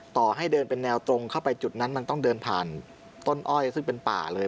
ต่อให้เดินเป็นแนวตรงเข้าไปจุดนั้นมันต้องเดินผ่านต้นอ้อยซึ่งเป็นป่าเลย